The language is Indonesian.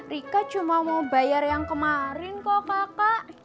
rike cuma mau bayar yang kemarin kok kakak